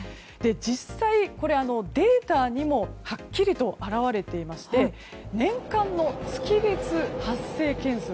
実際、データにもはっきり表れていまして年間の月別発生件数